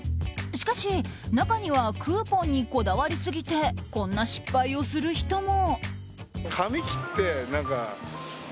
しかし、中にはクーポンにこだわりすぎてこんな失敗をする人も。